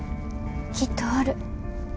きっとおる。